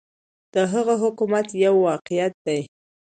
د هغه حکومت یو واقعیت دی.